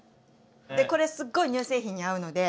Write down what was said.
でこれすっごい乳製品に合うので。